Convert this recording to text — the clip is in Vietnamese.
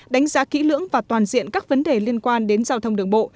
đánh giá kỹ lưỡng và toàn diện các vấn đề liên quan đến giao thông đường bộ